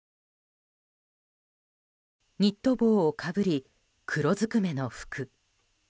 ニット帽をかぶり黒ずくめの服。